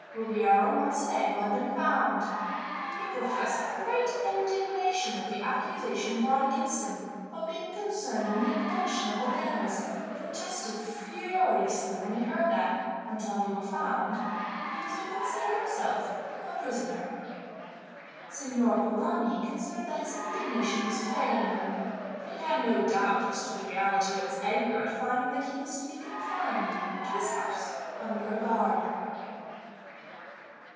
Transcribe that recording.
Ruggiero Mocenigo had been found. He professed great indignation at the accusation brought against him, of being concerned in the abduction of the ladies, and protested furiously when he heard that, until they were found, he was to consider himself a prisoner. Signor Polani considered that his indignation was feigned, but he had no doubt as to the reality of his anger at finding that he was to be confined to his house under a guard.